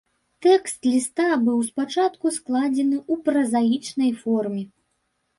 Тэкст ліста быў спачатку складзены ў празаічнай форме.